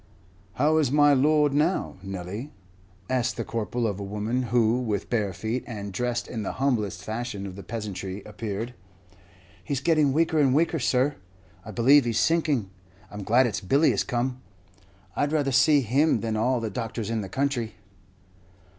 "How is my lord, now, Nelly?" asked the Corporal of a woman who, with bare feet, and dressed in the humblest fashion of the peasantry, appeared. "He's getting weaker and weaker, sir; I believe he's sinking. I'm glad it's Billy is come; I'd rather see him than all the doctors in the country."